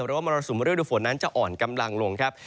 หรือว่ามราศมนัดรวมฝนนั้นจะอ่อนกำลังลงครับ